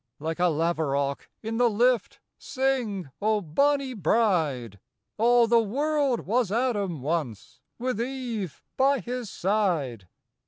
Like a laverock in the lift, sing, O bonny bride ! All the world was Adam once with Eve by his side.